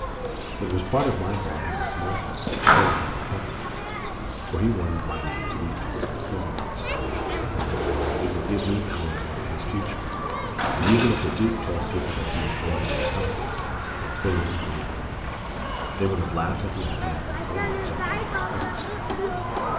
It was part of my bargain with Markoff to appear with them in public, for he wanted my name to be coupled with Claremanagh's. It would give me more power over his future. And even if the Duke told people that he was lending me a copy, they wouldn't believe it. They would have laughed at the idea of Pavoya accepting false pearls.